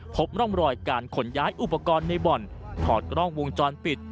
พบร่องรอยการขนย้ายอุปกรณ์ในบ่อนถอดกล้องวงจรปิด